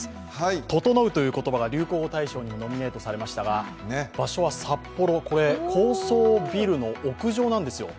「ととのう」という言葉が流行語大賞にもノミネートされましたが場所は札幌、これ高層ビルの屋上なんです。